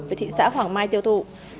và thị xã hoàng mai tiêu thụ